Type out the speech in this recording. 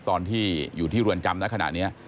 ตอนที่อยู่ที่รวรจำแล้วขนาดนี้